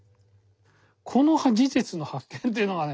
この事実の発見というのがね